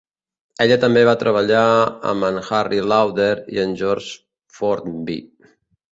Ella també va treballar amb en Harry Lauder i en George Formby.